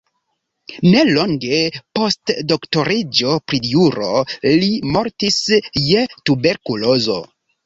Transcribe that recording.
Nelonge post doktoriĝo pri juro li mortis je tuberkulozo.